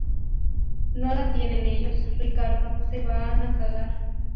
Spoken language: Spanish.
no la tienen ellos. Ricardo, se van a cagar.